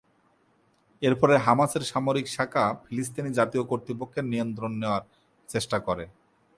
এর ফলে হামাসের সামরিক শাখা ফিলিস্তিনি জাতীয় কর্তৃপক্ষের নিয়ন্ত্রণ নেয়ার চেষ্টা করে।